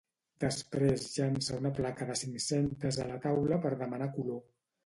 Després llança una placa de cinc-centes a la taula per demanar color.